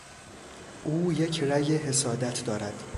او یک رگ حسادت دارد.